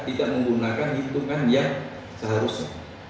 tidak menggunakan hitungan yang seharusnya